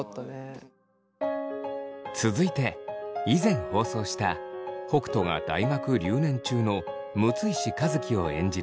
続いて以前放送した北斗が大学留年中の六石和樹を演じる